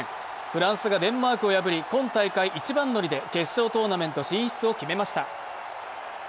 フランスがデンマークを破り、今大会一番乗りで決勝トーナメント進出を決めました。